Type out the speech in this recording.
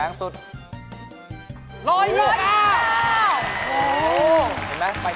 เห็นไหมบายไกร